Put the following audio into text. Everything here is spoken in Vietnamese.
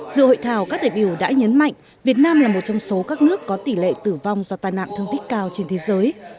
dự hội thảo các đại biểu đã nhấn mạnh việt nam là một trong số các nước có tỷ lệ tử vong do tai nạn thương tích cao trên thế giới